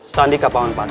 sandi kak paman pati